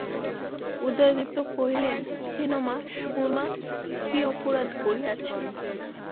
উদয়াদিত্য কহিলেন, কেন মা, সুরমা কী অপরাধ করিয়াছে?